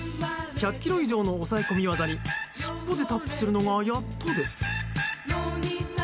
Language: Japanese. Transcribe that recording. １００ｋｇ以上の抑え込み技に尻尾でタップするのがやっとです。